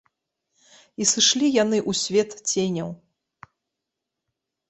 І сышлі яны ў свет ценяў.